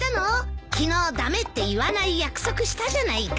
昨日駄目って言わない約束したじゃないか。